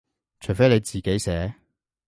除非你自己寫